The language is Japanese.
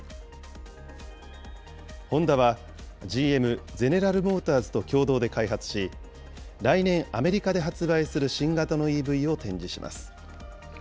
ホンダはＧＭ・ゼネラル・モーターズと共同で開発し、来年、アメリカで発売する新型のＥＶを展示します。